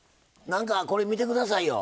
これ、見てくださいよ。